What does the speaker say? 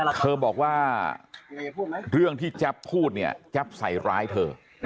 เธอบอกว่าเรื่องที่แจ๊บพูดเนี่ยแจ๊บใส่ร้ายเธอ